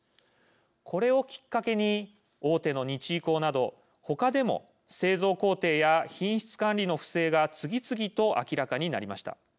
これをきっかけに大手の日医工など他でも製造工程や品質管理の不正が次々と明らかになりました。